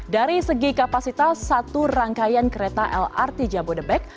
dari segi kapasitas satu rangkaian kereta lrt jabodebek